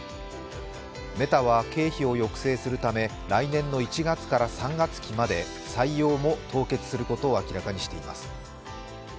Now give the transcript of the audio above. メタは経費を抑制するため来年の１月から３月期まで採用も凍結することを明らかにしています。